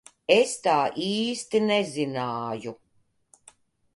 Es tā īsti nezināju.